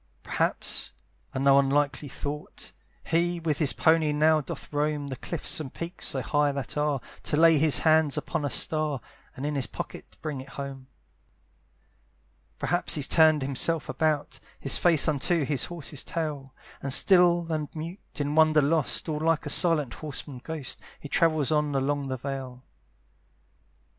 Perhaps, and no unlikely thought! He with his pony now doth roam The cliffs and peaks so high that are, To lay his hands upon a star, And in his pocket bring it home. Perhaps he's turned himself about, His face unto his horse's tail, And still and mute, in wonder lost, All like a silent horseman ghost, He travels on along the vale.